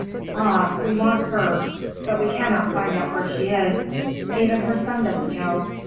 "Ah, we want her. But we cannot find out where she is. Even her son doesn't know.